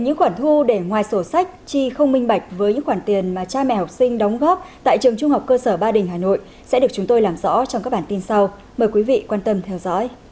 những khoản thu để ngoài sổ sách chi không minh bạch với những khoản tiền mà cha mẹ học sinh đóng góp tại trường trung học cơ sở ba đình hà nội sẽ được chúng tôi làm rõ trong các bản tin sau mời quý vị quan tâm theo dõi